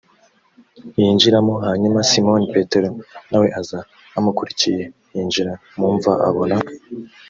ntiyinjiramo hanyuma simoni petero na we aza amukurikiye yinjira mu mva abona